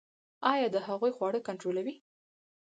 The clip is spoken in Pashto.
ایا د هغوی خواړه کنټرولوئ؟